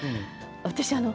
私